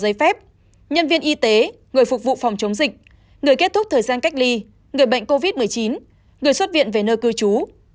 giấy phép nhân viên y tế người phục vụ phòng chống dịch người kết thúc thời gian cách ly người bệnh covid một mươi chín người xuất viện về nơi cư trú